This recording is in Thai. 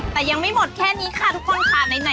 แต่ยังไม่หมดแค่นี้ค่ะทุกคนค่ะ